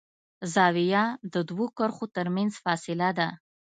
زاویه د دوو کرښو تر منځ فاصله ده.